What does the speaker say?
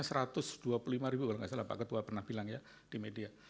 kalau enggak salah pak ketua pernah bilang ya di media